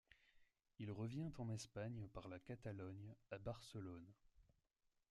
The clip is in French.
Il revient en Espagne par la Catalogne à Barcelone.